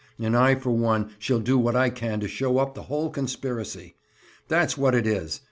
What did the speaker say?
And I, for one, shall do what I can to show up the whole conspiracy. That's what it is.